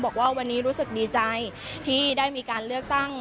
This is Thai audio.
บอกว่าวันนี้รู้สึกดีใจที่ได้มีการเลือกตั้ง